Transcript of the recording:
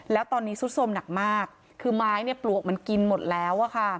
แล้วตอนนี้ซุดสมหนักมากคือไม้เนี่ยปลวกมันกินหมดแล้ว